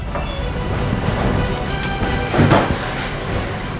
mas tuh makannya